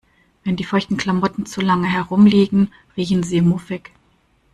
Wenn die feuchten Klamotten zu lange herumliegen, riechen sie muffig.